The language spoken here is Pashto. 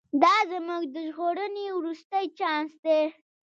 دا زموږ د ژغورنې وروستی چانس دی.